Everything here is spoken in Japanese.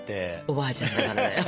おばあちゃんだからだよ。